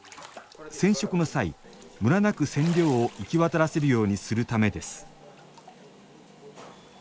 染色の際むらなく染料を行き渡らせるようにするためです